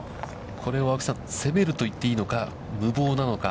これを青木さん、攻めるといっていいのか、無謀なのか。